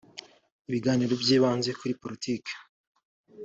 ibiganiro byibanze kuri politiki